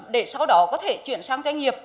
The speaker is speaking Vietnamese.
để sau đó có thể chuyển sang doanh nghiệp